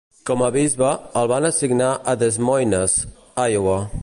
Com a bisbe, el van assignar a Des Moines, Iowa.